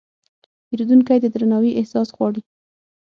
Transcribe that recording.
پیرودونکی د درناوي احساس غواړي.